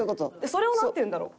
それをなんて言うんだろう？